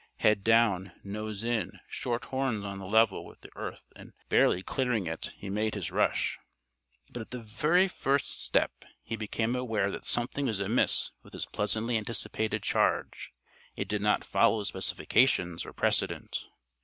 Head down, nose in, short horns on a level with the earth and barely clearing it, he made his rush. But at the very first step he became aware that something was amiss with his pleasantly anticipated charge. It did not follow specifications or precedent.